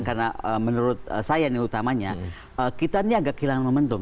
karena menurut saya nih utamanya kita ini agak kehilangan momentum